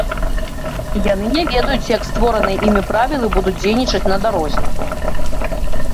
І яны не ведаюць, як створаныя імі правілы будуць дзейнічаць на дарозе.